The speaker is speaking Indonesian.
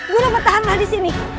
guru bertahanlah disini